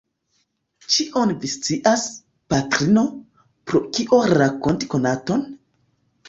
Ĉion vi scias, patrino, pro kio rakonti konaton?